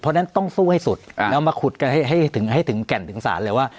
เพราะฉะนั้นต้องสู้ให้สุดแล้วมาขุดกันให้ถึงแก่นถึงศาลเลยว่า